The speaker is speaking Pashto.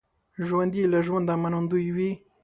ژوندي له ژونده منندوی وي